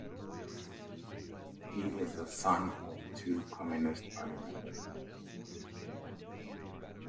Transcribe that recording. He is the son of two Communist Party members.